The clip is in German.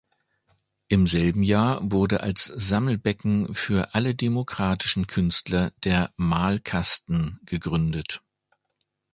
Im selben Jahr wurde als Sammelbecken für alle demokratischen Künstler der "Malkasten" gegründet.